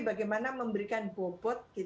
bagaimana memberikan bobot